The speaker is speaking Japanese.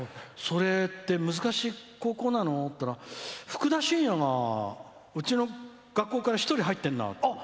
それって難しい高校なの？ってふくだしんやが、うちの学校から１人、入ってるな。